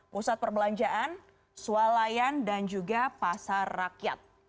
pusat perbelanjaan sualayan dan juga pasar rakyat